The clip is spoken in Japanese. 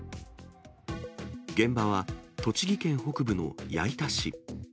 現場は、栃木県北部の矢板市。